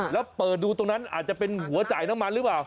แล้วเปิดดูตรงนั้นอาจจะเป็นหัวจ่ายน้ำมันหรือเปล่า